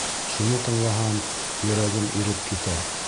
Шуны тыңлаһам, йөрәгем иреп китә.